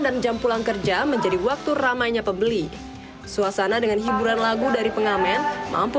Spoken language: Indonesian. dan jam pulang kerja menjadi waktu ramainya pembeli suasana dengan hiburan lagu dari pengamen mampu